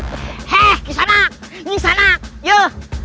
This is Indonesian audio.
he'eh disana disana yuk